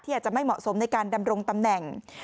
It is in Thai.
อาจจะไม่เหมาะสมในการดำรงตำแหน่ง